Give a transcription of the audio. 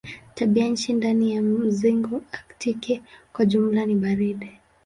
Tabianchi ndani ya mzingo aktiki kwa jumla ni baridi.